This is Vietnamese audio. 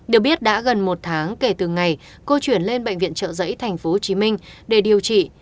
được biết đã gần một tháng kể từ ngày cô chuyển lên bệnh viện trợ giấy tp hcm để điều trị